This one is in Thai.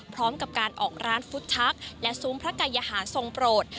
พร้อมกับการออกร้านฟุตชักและซุ้มพระกายหาทรงโปรด